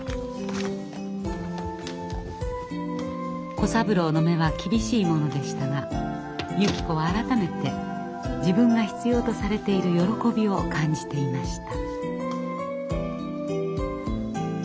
小三郎の目は厳しいものでしたがゆき子は改めて自分が必要とされている喜びを感じていました。